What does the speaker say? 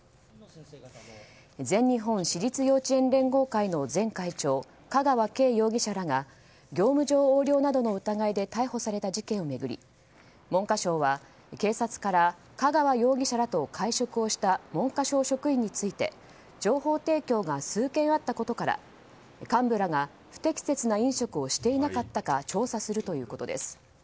全日本私立幼稚園連合会の前会長香川敬容疑者らが業務上横領などの疑いで逮捕された事件を巡り文科省は警察から香川容疑者らと会食をした文科省職員について情報提供が数件あったことから幹部らが不適切な飲食をしていなかったか調査するということです。